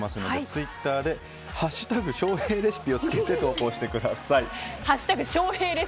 ツイッターで「＃翔平レシピ」をつけて投稿してください。